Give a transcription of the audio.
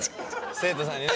生徒さんにね。